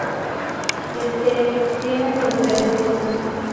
El tee tiene una historia interesante.